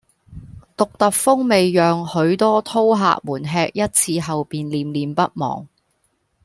獨特風味讓許多饕客們吃一次後便念念不忘